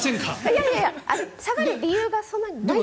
いやいや、下がる理由がそんなにないです。